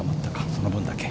その分だけ。